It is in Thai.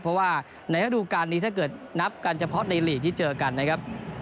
เพราะว่าในระดูการนี้ถ้าเกิดนับกันเฉพาะในหลีกที่เจอกันนะครับ